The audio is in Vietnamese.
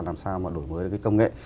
làm sao mà đổi mới cái công nghệ